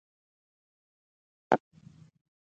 کله چې ستاسې خبرې آورم خپل خدای بخښلی نېکه مې را یاد شي